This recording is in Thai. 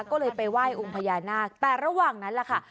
ก็เลยไปไหว้องค์พญานาคแต่ระหว่างนั้นแหละค่ะ